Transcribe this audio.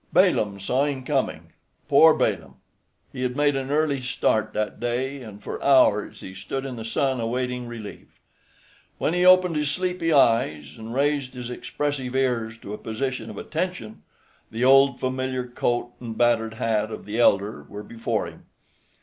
Balaam saw him coming. Poor Balaam. He had made an early start that day, and for hours he stood in the sun awaiting relief. When he opened his sleepy eyes and raised his expressive ears to a position of attention, the old familiar coat and battered hat of the elder were before him.